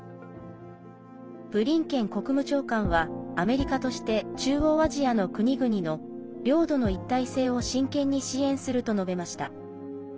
ブリンケン国務長官は「アメリカとして中央アジアの国々の領土の一体性を真剣に支援する」と述べました。